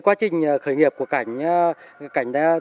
gì đây là khởi nghiệp của cảnh cảnh đã